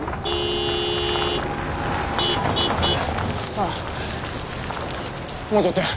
ほらもうちょっとや。